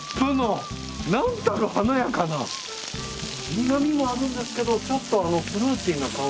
苦みもあるんですけどちょっとフルーティーな香りが。